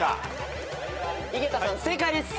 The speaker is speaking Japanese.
井桁さん正解です。